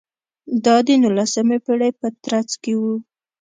دا د نولسمې پېړۍ په ترڅ کې و.